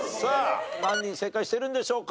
何人正解しているんでしょうか？